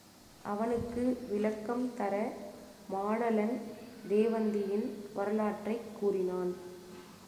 அவனுக்கு விளக்கம் தர மாடலன் தேவந்தியின் வரலாற்றைக் கூறினான்.